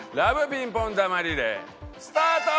ピンポン球リレースタート！